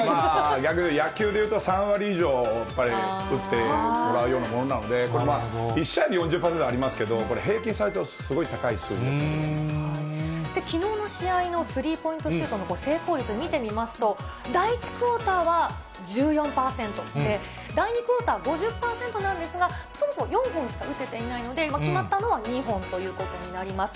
野球でいうと３割以上、やっぱり、打ってもらうようなものなので、１試合に４０％ありますけれども、これ平均されるとすごい高い数字きのうの試合のスリーポイントシュートの成功率見てみますと、第１クオーターは１４％、第２クオーターは５０％なんですが、そもそも４本しか打てていないので、決まったのは２本ということになります。